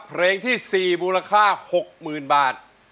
เพลงที่๔มูลค่า๖๐๐๐บาท